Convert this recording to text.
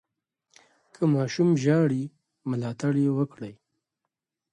که ماشوم ژاړي، ملاتړ یې وکړئ.